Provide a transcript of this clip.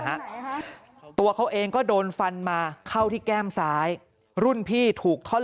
ฮะตัวเขาเองก็โดนฟันมาเข้าที่แก้มซ้ายรุ่นพี่ถูกท่อน